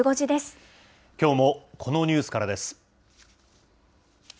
きょうもこのニュースからです。